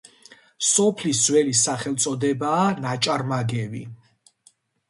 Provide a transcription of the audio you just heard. სოფლის ძველი სახელწოდებაა ნაჭარმაგევი.